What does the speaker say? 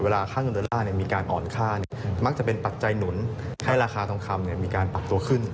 ค่าเงินดอลลาร์มีการอ่อนค่ามักจะเป็นปัจจัยหนุนให้ราคาทองคำมีการปรับตัวขึ้น